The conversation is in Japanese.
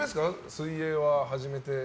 水泳は始めて。